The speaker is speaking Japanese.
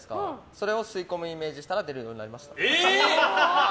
それを吸い込むイメージしたら出るようになりました。